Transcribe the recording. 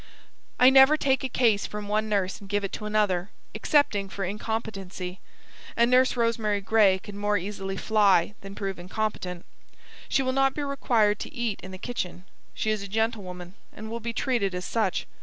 I never take a case from one nurse and give it to another, excepting for incompetency. And Nurse Rosemary Gray could more easily fly, than prove incompetent. She will not be required to eat in the kitchen. She is a gentlewoman, and will be treated as such.